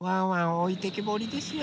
おいてけぼりですよ。